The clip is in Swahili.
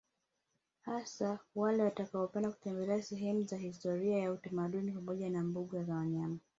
Hasa wale watakaopenda kutembelea sehemu za historia ya utamaduni pamoja na mbuga za wanyama